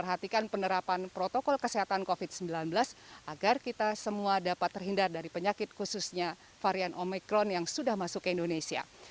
perhatikan penerapan protokol kesehatan covid sembilan belas agar kita semua dapat terhindar dari penyakit khususnya varian omikron yang sudah masuk ke indonesia